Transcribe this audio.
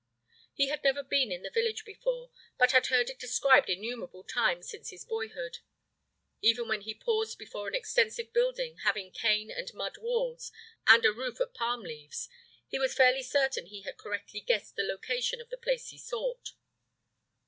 He had never been in the village before, but had heard it described innumerable times since his boyhood. Even when he paused before an extensive building having cane and mud walls and a roof of palm leaves, he was fairly certain he had correctly guessed the location of the place he sought.